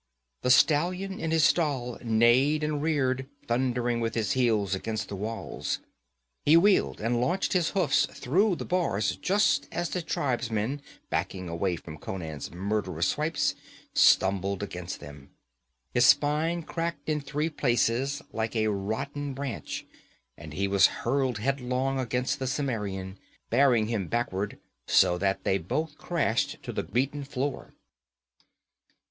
The stallion in his stall neighed and reared, thundering with his heels against the walls. He wheeled and launched his hoofs through the bars just as the tribesman, backing away from Conan's murderous swipes, stumbled against them. His spine cracked in three places like a rotten branch and he was hurled headlong against the Cimmerian, bearing him backward so that they both crashed to the beaten floor.